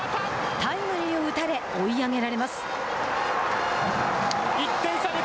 タイムリーを打たれ追い上げられます。